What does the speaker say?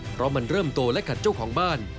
เพราะมันเริ่มโตและขัดเจ้าของบ้าน